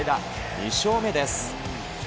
２勝目です。